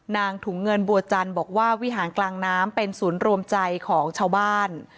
ถุงเงินบัวจันทร์บอกว่าวิหารกลางน้ำเป็นศูนย์รวมใจของชาวบ้าน